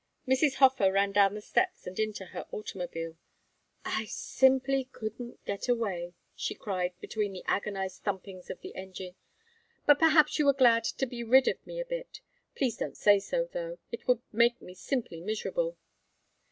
Mrs. Hofer ran down the steps and into her automobile. "I simply couldn't get away," she cried between the agonized thumpings of the engine. "But perhaps you were glad to be rid of me a bit. Please don't say so, though. It would make me simply miserable."